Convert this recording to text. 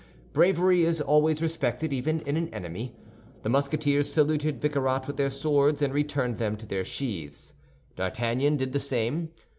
Bravery is always respected, even in an enemy. The Musketeers saluted Bicarat with their swords, and returned them to their sheaths. D'Artagnan did the same.